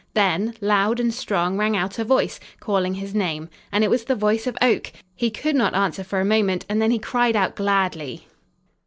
Then, loud and strong, rang out a voice, calling his name, and it was the voice of Oak! He could not answer for a moment, and then he cried out gladly.